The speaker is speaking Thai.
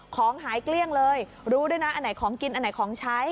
ของหายเกลี้ยงเลยรู้ด้วยนะอันไหนของกินอันไหนของใช้